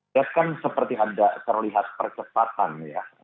lihat kan seperti ada terlihat percepatan ya